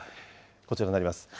こちらになります。